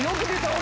俺。